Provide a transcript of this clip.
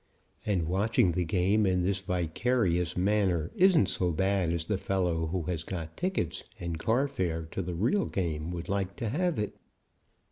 And watching the game in this vicarious manner isn't so bad as the fellow who has got tickets and carfare to the real game would like to have it.